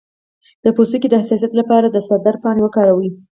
د پوستکي د حساسیت لپاره د سدر پاڼې وکاروئ